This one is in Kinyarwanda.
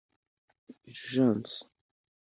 Urgence